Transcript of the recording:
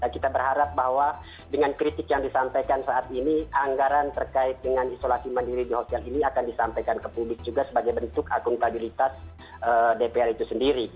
kita berharap bahwa dengan kritik yang disampaikan saat ini anggaran terkait dengan isolasi mandiri di hotel ini akan disampaikan ke publik juga sebagai bentuk akuntabilitas dpr itu sendiri